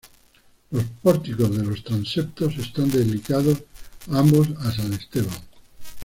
Los pórticos de los transeptos están dedicados ambos a San Esteban.